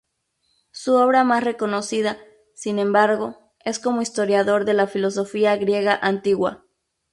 Su obra más reconocida, sin embargo, es como historiador de la filosofía griega antigua.